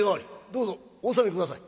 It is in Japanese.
どうぞお納め下さい」。